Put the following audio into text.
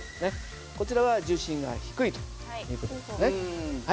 こちらは重心が低いという事ですね。